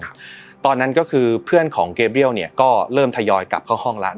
ตอนนั้นก็คือเพื่อนของเกเบี้ยวเนี่ยก็เริ่มทยอยกลับเข้าห้องแล้ว